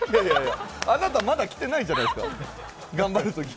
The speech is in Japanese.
あなた、まだ来てないじゃないですか、頑張るとき。